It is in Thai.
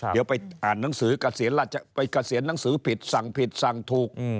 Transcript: เดี๋ยวไปอ่านหนังสือเกษียณไปเกษียณหนังสือผิดสั่งผิดสั่งถูก